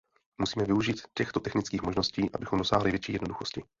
Musíme využít těchto technických možností, abychom dosáhli větší jednoduchosti.